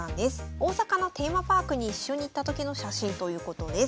大阪のテーマパークに一緒に行った時の写真ということです。